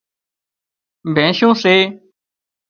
بينشُون سي